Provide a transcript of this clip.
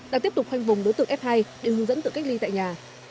đang tiếp tục khoanh vùng đối tượng f hai để hướng dẫn tự cách ly tại nhà